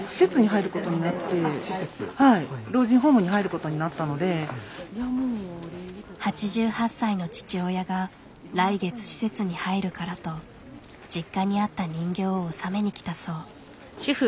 今まで８８歳の父親が来月施設に入るからと実家にあった人形を納めに来たそう。